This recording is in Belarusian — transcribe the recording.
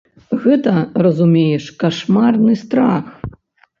Гэта, разумееш, кашмарны страх.